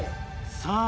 さあ